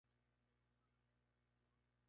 Su apellido nunca se menciona en los libros.